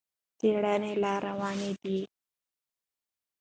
څېړنې لا روانې دي.